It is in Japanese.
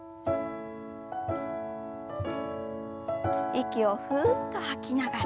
息をふっと吐きながら。